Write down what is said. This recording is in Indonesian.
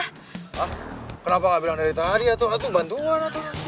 hah kenapa gak bilang dari tadi ya itu bantuan atau apa